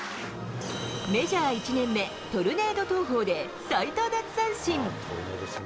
メジャー１年目、トルネード投法で最多奪三振。